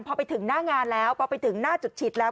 พอไปถึงหน้างานแล้วพอไปถึงหน้าจุดฉีดแล้ว